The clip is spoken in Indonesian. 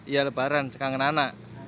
iya lebaran kangen anak